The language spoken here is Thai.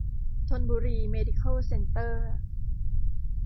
ธนบุรี เมดิเคิล เซ็นเตอร์